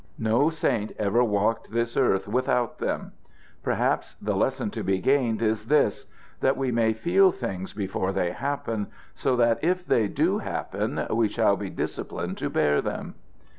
No saint ever walked this earth without them. Perhaps the lesson to be gained is this: that we may feel things before they happen, so that if they do happen we shall be disciplined to bear them."